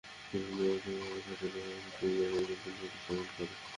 বিভিন্ন ব্যক্তি প্রভাব খাটিয়ে লোহার খুঁটি গেড়ে এসব বিলবোর্ড স্থাপন করে।